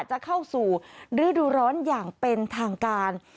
จะเข้าสู่ฤดูร้อนอย่างเป็นทางการ